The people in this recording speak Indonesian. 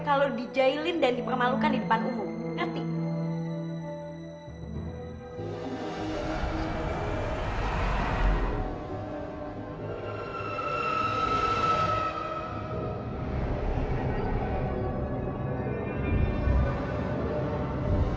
kalau dijailin dan dipermalukan di depan umum